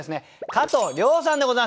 加藤諒さんでございます。